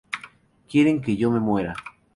Quieren que yo me muera.